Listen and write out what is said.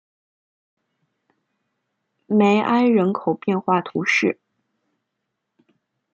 梅埃人口变化图示